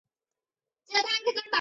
蜍蝽为蜍蝽科蜍蝽属下的一个种。